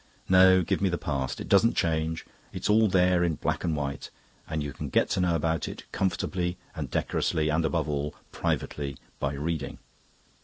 No, give me the past. It doesn't change; it's all there in black and white, and you can get to know about it comfortably and decorously and, above all, privately by reading.